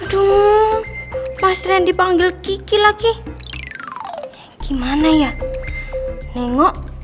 aduh pas randy panggil kiki lagi gimana ya nengok